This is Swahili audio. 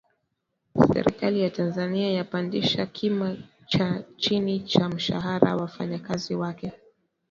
Serikali ya Tanzania yapandisha kima cha chini cha mshahara wa wafanyakazi wake